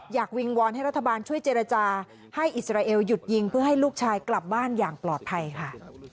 วิงวอนให้รัฐบาลช่วยเจรจาให้อิสราเอลหยุดยิงเพื่อให้ลูกชายกลับบ้านอย่างปลอดภัยค่ะ